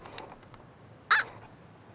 あっ！